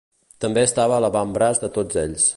També estava a l'avantbraç de tots ells.